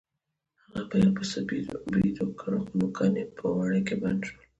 هغه په یو پسه برید وکړ خو نوکان یې په وړۍ کې بند شول.